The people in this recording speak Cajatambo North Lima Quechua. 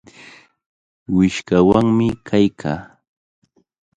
Wishqawanmi kaykaa.